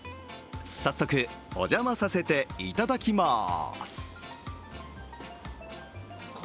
早速、お邪魔させていただきます。